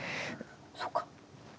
そっか。